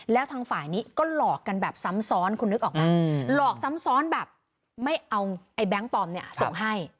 แล้วทางฝ่ายนี้ก็หลอกกันแบบซ้ำซ้อนคุณนึกออกไหมหลอกซ้ำซ้อนแบบไม่เอาไอ้แบงค์ปลอมเนี่ยส่งให้